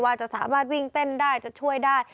ว่าจะสามารถวิ่งเต้นได้จะช่วยได้